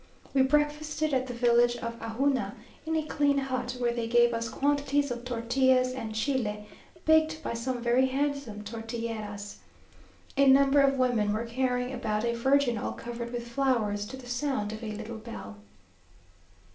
We breakfasted at the village of Ajuna, in a clean hut where they gave us quantities of tortillas and chile, baked by some very handsome tortilleras. A number of women were carrying about a virgin all covered with flowers, to the sound of a little bell.